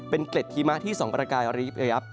เป็นเกล็ดทีมะที่ส่องประกาย